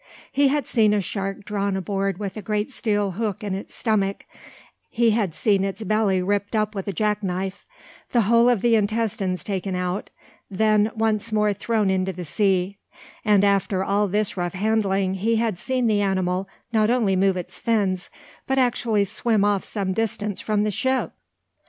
He had seen a shark drawn aboard with a great steel hook in its stomach, he had seen its belly ripped up with a jack knife, the whole of the intestines taken out, then once more thrown into the sea; and after all this rough handling he had seen the animal not only move its fins, but actually swim off some distance from the ship!